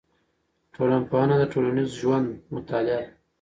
ټولنپوهنه د ټولنیز ژوند مطالعه ده.